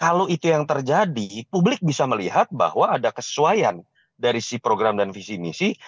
kalau itu yang terjadi publik bisa melihat bahwa ada kesesuaian dari si program dan visi misi